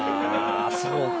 そうか。